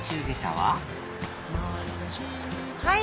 はい！